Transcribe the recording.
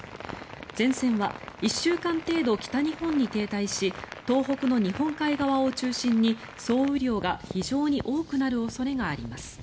前線は１週間程度、北日本に停滞し東北の日本海側を中心に総雨量が非常に多くなる恐れがあります。